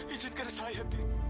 ijinkan saya tin